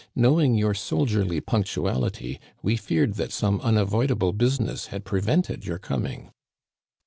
Knowing your soldierly punctuality, we feared that some unavoidable business had prevented your coming."